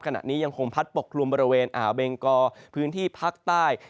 ยังคงพัดปกกลุ่มบริเวณอ่าวเบงกอพื้นที่ภาคใต้